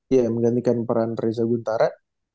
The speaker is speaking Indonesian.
ya menggantikan peran reza guntara